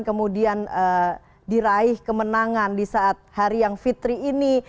kemudian diraih kemenangan di saat hari yang fitri ini